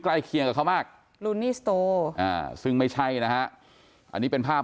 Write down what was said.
เคียงกับเขามากลูนี่สโตอ่าซึ่งไม่ใช่นะฮะอันนี้เป็นภาพ